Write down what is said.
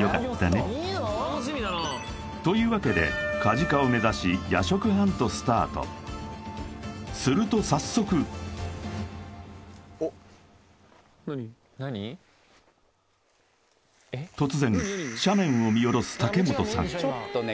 よかったねというわけでカジカを目指し野食ハントスタートすると早速突然ちょっとね